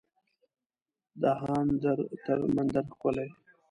دهاندر تر مندر ښکلی